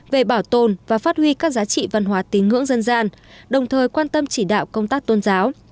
về bảo tồn và phát huy các giá trị văn hóa tín ngưỡng dân gian đồng thời quan tâm chỉ đạo công tác tôn giáo